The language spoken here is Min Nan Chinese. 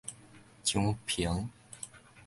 漳平